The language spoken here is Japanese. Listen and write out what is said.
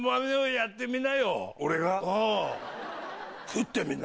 やってみな。